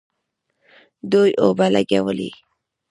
دوی اوبه لګولې.